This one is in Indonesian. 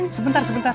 eh sebentar sebentar